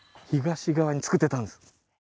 東側に造ってたんです